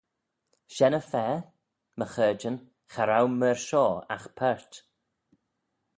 Shen y fa my charjyn cha row myr shoh agh paart.